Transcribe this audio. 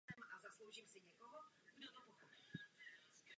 Tím začaly dějiny italského terorismu v němž vynikla organizace zvaná Rudé brigády.